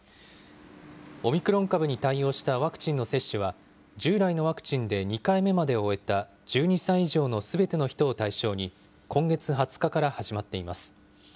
オミクロン株に対応したワクチンの接種は、従来のワクチンで２回目までを終えた１２歳以上のすべての人を対象に、今月２０日から始まっています。